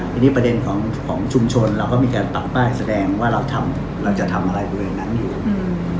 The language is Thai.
ทีนี้ประเด็นของชุมชนเราก็มีการปัดป้ายแสดงว่าเราจะทำอะไรอยู่อย่างนั้นอยู่